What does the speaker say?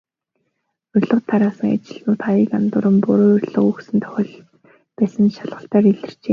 Урилга тараасан ажилтнууд хаяг андууран, буруу урилга өгсөн тохиолдол байсан нь шалгалтаар илэрчээ.